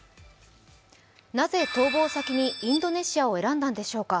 なぜ、逃亡先にインドネシアを選んだのでしょうか。